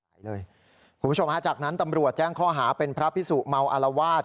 คุณผู้ชมฮะจากนั้นตำรวจแจ้งข้อหาเป็นพระพิสุเมาอารวาส